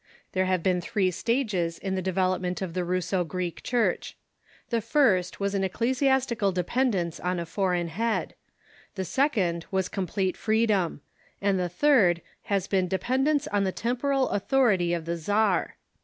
There have been three stages in the development of the Russo Greek Church. The first was an ecclesiastical dependence on a foreign head ; the second was complete freedom ; and the third has Government ,^^',^,,• n i been dependence on the temporal authority of the czar.